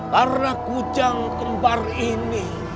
para kucang kembar ini